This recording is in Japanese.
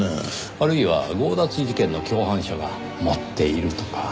あるいは強奪事件の共犯者が持っているとか。